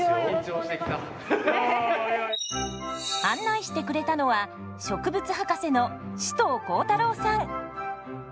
案内してくれたのは植物博士の首藤光太郎さん。